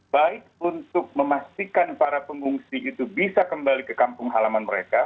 baik untuk memastikan para pengungsi itu bisa kembali ke kampung halaman mereka